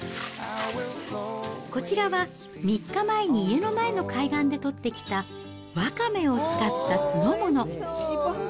こちらは、３日前に家の前の海岸で取ってきた、ワカメを使った酢の物。